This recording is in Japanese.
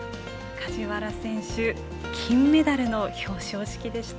梶原選手、金メダルの表彰式でした。